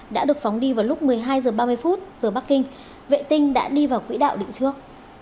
đã được phóng đi vào lúc một mươi hai h ba mươi giờ bắc kinh vệ tinh đã đi vào quỹ đạo định trước